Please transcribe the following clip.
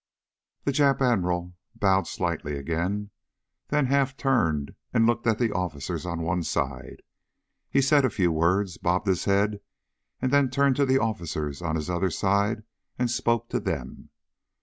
The Jap Admiral bowed slightly again, then half turned and looked at the officers on one side. He said a few words, bobbed his head, and then turned to the officers on his other side and spoke to them.